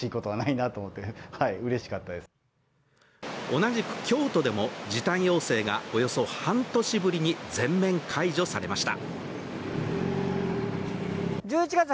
同じく京都でも時短要請がおよそ半年ぶりに全面解除されました。